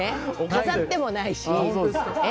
飾ってもないし。